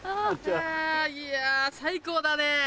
・いや最高だね・